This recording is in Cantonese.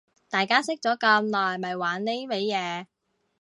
大家識咗咁耐咪玩呢味嘢